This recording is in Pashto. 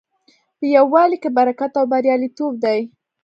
په یووالي کې برکت او بریالیتوب دی.